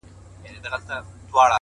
o څه لېونۍ شاني گناه مي په سجده کي وکړه؛